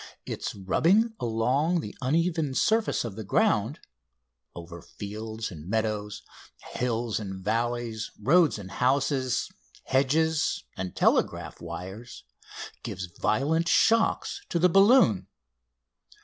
Its rubbing along the uneven surfaces of the ground over fields and meadows, hills and valleys, roads and houses, hedges and telegraph wires gives violent shocks to the balloon.